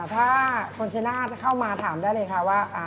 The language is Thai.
ถ้าคนชนาธิ์เข้ามาถามได้เลยค่ะว่า